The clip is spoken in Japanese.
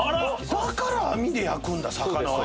だから網で焼くんだ魚は。